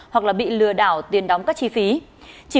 hoặc là bị lừa đảo tiền đóng các chi phí